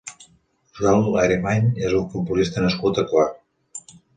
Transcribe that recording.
Joel Arimany és un futbolista nascut a Quart.